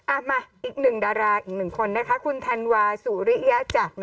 มาอีกหนึ่งดาราอีกหนึ่งคนนะคะคุณธันวาสุริยจักร